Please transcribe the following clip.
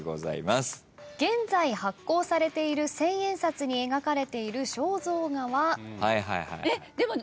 現在発行されている千円札に描かれている肖像画は？